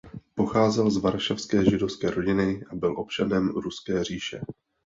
Pocházel z varšavské židovské rodiny a byl občanem Ruské říše.